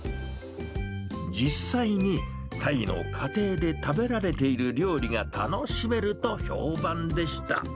実際にタイの家庭で食べられている料理が楽しめると評判でした。